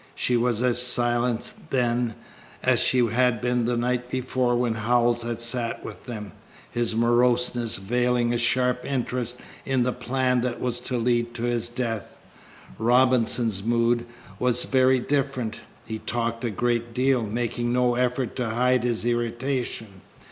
She was as silent then as she had been the night before when Howells had sat with them, his moroseness veiling a sharp interest in the plan that was to lead to his death. Robinson's mood was very different. He talked a great deal, making no effort to hide his irritation.